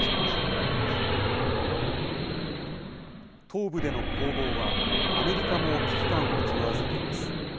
東部での攻防は、アメリカも危機感を募らせています。